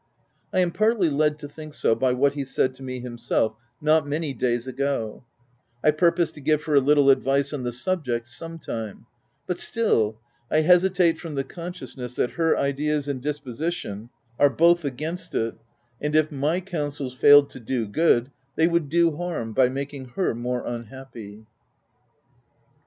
I am partly led to think so by what he said to me himself, not many days ago — I purpose to give her a little advice on the subject some time ; but still, I hesitate from the consciousness that her ideas and disposition are both against it, and if my counsels failed to do good, they would do harm by making her more unhappy.